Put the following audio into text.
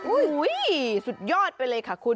สุดยอดไปเลยค่ะคุณ